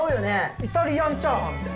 イタリアンチャーハンみたいな。